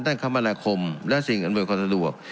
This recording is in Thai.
ตั้งคำมาแรกคมและสิ่งอำนวยความสะดวก